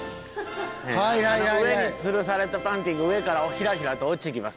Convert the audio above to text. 上につるされたパンティが上からヒラヒラと落ちてきます。